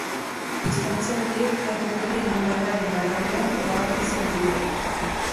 Distantzia horiek errepliken indarraren arabera erabakitzen dira.